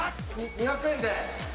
２００円。